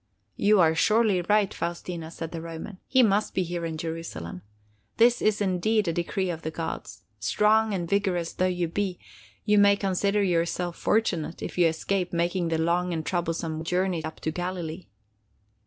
"You are surely right, Faustina," said the Roman. "He must be here in Jerusalem. This is indeed a decree of the gods. Strong and vigorous though you be, you may consider yourself fortunate if you escape making the long and troublesome journey up to Galilee."